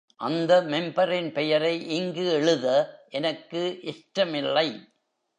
அந்த மெம்பரின் பெயரை இங்கு எழுத எனக்கு இஷ்டமில்லை.